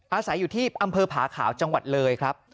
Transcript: อาศัยอยู่ที่อำเภอผาขาวจังหวัดเลยครับ